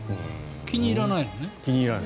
気に入らないのね。